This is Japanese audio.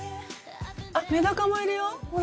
あっメダカもいるよほら。